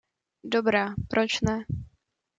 Dobrá, proč ne!